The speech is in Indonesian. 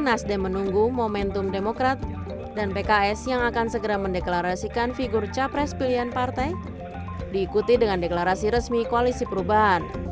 nasdem menunggu momentum demokrat dan pks yang akan segera mendeklarasikan figur capres pilihan partai diikuti dengan deklarasi resmi koalisi perubahan